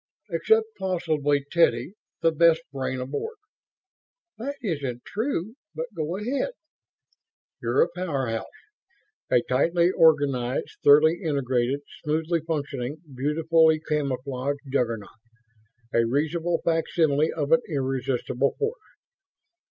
"Except possibly Teddy, the best brain aboard." "That isn't true, but go ahead." "You're a powerhouse. A tightly organized, thoroughly integrated, smoothly functioning, beautifully camouflaged Juggernaut. A reasonable facsimile of an irresistible force."